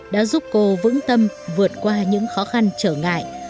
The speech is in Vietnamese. đã giúp cô vững tâm vượt qua những khó khăn trở ngại